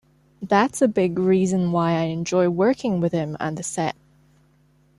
That's a big reason why I enjoy working with him on the set.